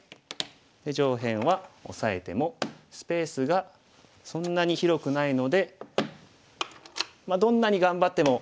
で上辺はオサえてもスペースがそんなに広くないのでどんなに頑張ってもお部屋が。